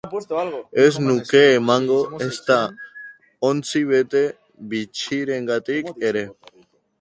Ez nuke emango ezta ontzi bete bitxirengatik ere.